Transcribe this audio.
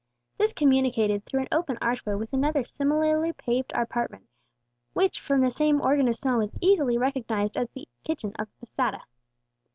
This communicated through an open archway with another similarly paved apartment, which from the same organ of smell was easily recognized as the kitchen of the posada.